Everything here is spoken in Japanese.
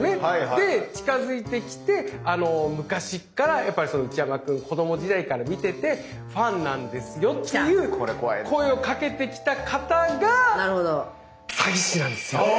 で近づいてきて「昔から内山君子ども時代から見ててファンなんですよ」っていう声をかけてきた方がえ⁉